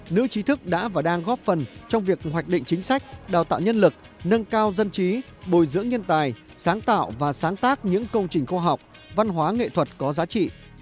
nữ trí thức đã và đang góp phần trong việc hoạch định chính sách đào tạo nhân lực nâng cao dân trí bồi dưỡng nhân tài sáng tạo và sáng tác những công trình khoa học văn hóa nghệ thuật có giá trị